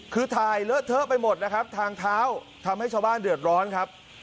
คือถ่ายเลอะเทอะไปหมดนะครับทางเท้าทำให้ชาวบ้านเดือดร้อนครับ